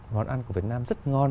ngon ăn của việt nam rất ngon